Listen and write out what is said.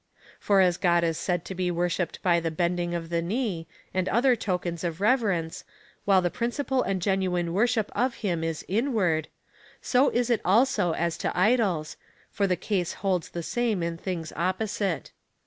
For as God is said to be worshipped by the bend ing of the knee, and other tokens of reverence, while the principal and genuine worship of him is inward, so is it also as to idols, for the case holds the same in things opposite.